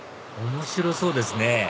面白そうですね